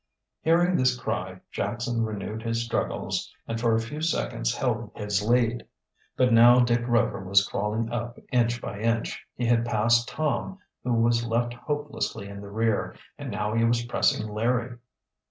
Hearing this cry, Jackson renewed his struggles and for a few seconds held his lead. But now Dick Rover was crawling up inch by inch. He had passed Tom, who was left hopelessly in the rear, and now he was pressing Larry.